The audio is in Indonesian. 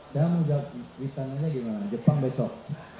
saya mau jawab witan sulaiman gimana jepang besok